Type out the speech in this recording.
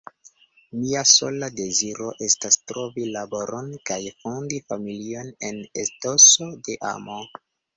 Mia sola deziro estas trovi laboron kaj fondi familion en etoso de amo.